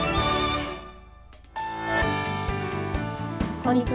こんにちは。